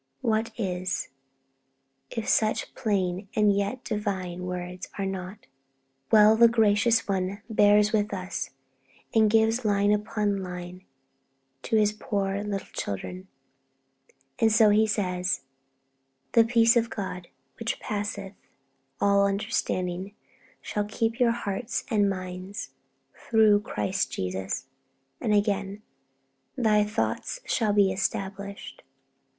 What is, if such plain and yet divine words are not? Well, the Gracious One bears with us, and gives line upon line to His poor little children. And so He says, 'The peace of God, which passeth all understanding, shall keep your hearts and minds, through Christ Jesus.' And again, 'Thy thoughts shall be established.'